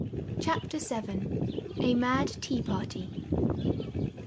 CHAPTER VII. A MAD TEA PARTY.